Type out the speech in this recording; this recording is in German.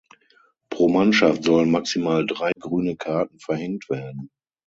Pro Mannschaft sollen maximal drei Grüne Karten verhängt werden.